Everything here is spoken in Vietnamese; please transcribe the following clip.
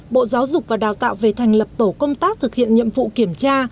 bộ giáo dục và đào tạo về thành lập tổ công tác thực hiện nhiệm vụ kiểm tra